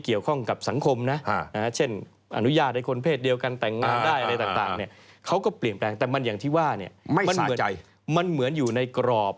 เขาก็เปลี่ยนแปลงแต่อย่างที่ว่ามันเหมือนอยู่ในกรอบ